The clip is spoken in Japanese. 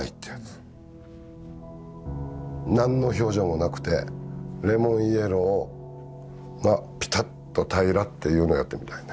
何の表情もなくてレモンイエローがぴたっと平らというのをやってみたいね。